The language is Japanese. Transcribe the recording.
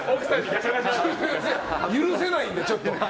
許せないんで、ちょっと。